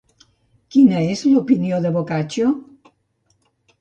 Quina és l'opinió de Boccaccio?